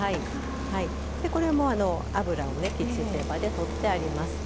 これも油をキッチンペーパーでとってあります。